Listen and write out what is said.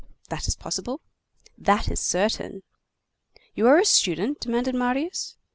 "That is possible." "That is certain." "You are a student?" demanded Marius.